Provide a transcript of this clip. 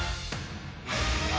あ！